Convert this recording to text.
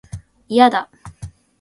いやだ